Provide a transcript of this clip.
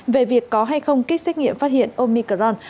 về việc có hay không kích xét nghiệm phát hiện omicron